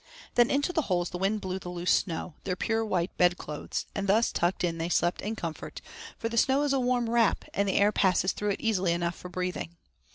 Then into the holes the wind blew the loose snow their pure white bed clothes, and thus tucked in they slept in comfort, for the snow is a warm wrap, and the air passes through it easily enough for breathing.